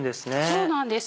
そうなんです。